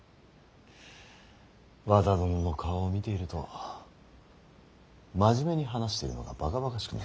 和田殿の顔を見ていると真面目に話しているのがばかばかしくなる。